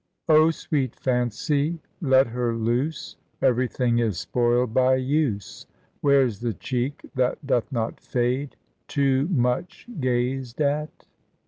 . O sweet fancy! let her loose, Everything is spoiled by use Whereas the cheek that doth not fade, Too mach gazed at